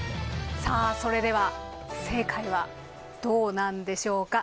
さあそれでは正解はどうなんでしょうか？